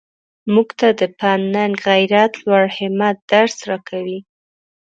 موږ ته د پند ننګ غیرت لوړ همت درس راکوي.